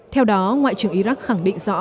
theo đó ngoại trưởng iraq khẳng định rõ